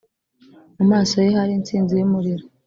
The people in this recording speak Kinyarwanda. mu maso ye hari intsinzi y'umuriro,